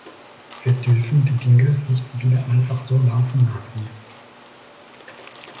Wir dürfen die Dinge nicht wieder einfach so laufen lassen.